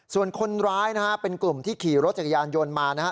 ส่วนคนร้ายนะฮะเป็นกลุ่มที่ขี่รถจักรยานยนต์มานะฮะ